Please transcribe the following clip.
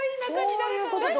そういうことか！